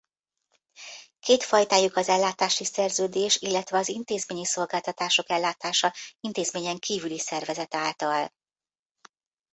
Két fajtájuk az ellátási szerződés illetve az intézményi szolgáltatások ellátása intézményen kívüli szervezet által.